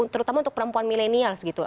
terutama untuk perempuan milenial segitu